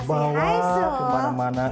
di bawah dimana mana